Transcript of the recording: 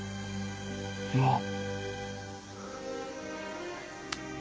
もう。